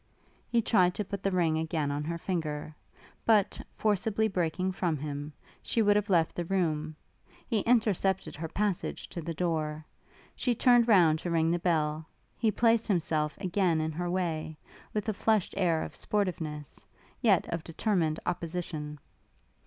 He tried to put the ring again on her finger; but, forcibly breaking from him, she would have left the room: he intercepted her passage to the door. She turned round to ring the bell: he placed himself again in her way, with a flushed air of sportiveness, yet of determined opposition.